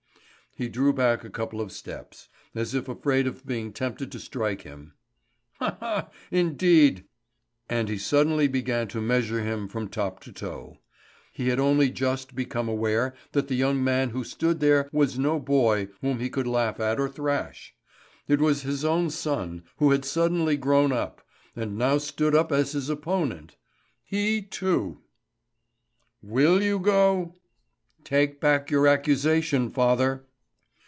He drew back a couple of steps, as if afraid of being tempted to strike him. "Ha, ha! Indeed!" And he suddenly began to measure him from top to toe. He had only just become aware that the young man who stood there was no boy whom he could laugh at or thrash. It was his own son, who had suddenly grown up, and now stood up as his opponent he too! "Will you go?" "Take back your accusation, father."